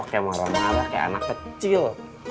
kayak marah marah kayak anak kecil